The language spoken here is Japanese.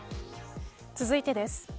続いてです。